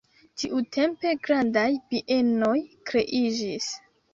Tiutempe grandaj bienoj kreiĝis.